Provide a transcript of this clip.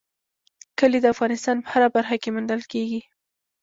کلي د افغانستان په هره برخه کې موندل کېږي.